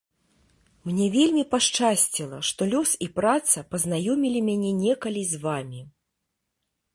Мне вельмі пашчасціла, што лёс і праца пазнаёмілі мяне некалі з вамі.